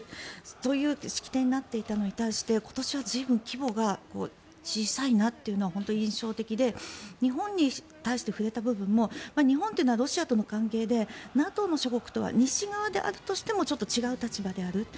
そういう式典になっていたのに対して今年は随分規模が小さいなというのは本当に印象的で日本に対して触れた部分も日本はロシアとの関係でＮＡＴＯの諸国とは西側であるとしてもちょっと違う立場であると。